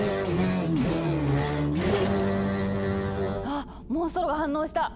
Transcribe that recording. あっモンストロが反応した！